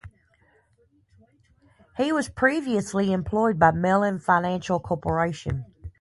He was previously employed by Mellon Financial Corporation.